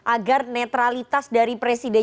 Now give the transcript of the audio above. agar netralitas dari presiden